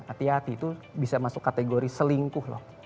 hati hati itu bisa masuk kategori selingkuh loh